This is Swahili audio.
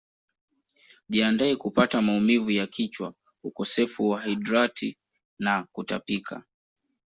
Jiandae kupata maumivu ya kichwa ukosefu wa hidrati na kutapika